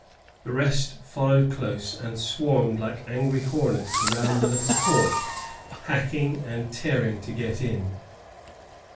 The rest followed close, and swarmed like angry hornets around the little fort, hacking and tearing to get in.